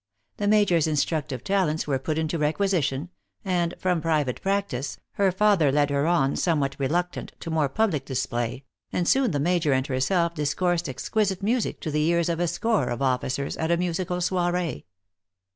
The major s instructive talents were put into THE ACTRESS IN HIGH LIFE. 25 requisition, and, from private practice, her father led her on, somewhat reluctant, to more public display, and soon the major and herself discoursed exquisite music to the ears of a score of officers, at a musical soiree.